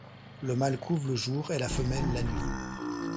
Le mâle couve le jour, et la femelle, la nuit.